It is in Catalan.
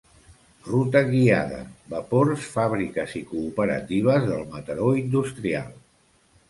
Ruta guiada "Vapors, fàbriques i cooperatives del Mataró industrial"